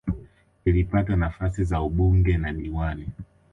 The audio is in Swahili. kilipata nafasi za ubunge na udiwani